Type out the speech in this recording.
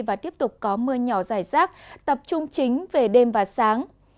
và tiếp tục có mưa nhỏ dài rác tập trung chính về đêm và sáng